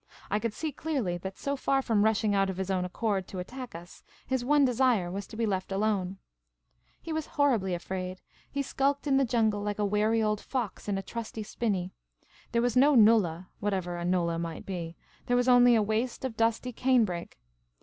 I could see clearly that, so far from rushing out of his own accord to attack us, his one desire was to be let alone. He was horribly afraid ; he The Magnificent Maharajah 253 skulked in the jungle like a wary old fox in a trusty spinney. There was no nullah (whatever a nullah may be), there was only a waste of dusty cane brake.